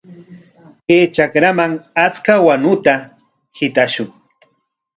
Chay trakraman achka wanuta hitashun.